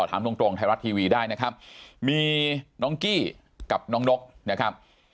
ถามตรงไทยรัฐทีวีได้นะครับมีน้องกี้กับน้องนกนะครับ